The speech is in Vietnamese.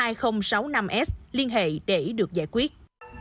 i chín mươi nghìn hai trăm chín mươi bảy hai nghìn sáu mươi năm s liên hệ để được giải quyết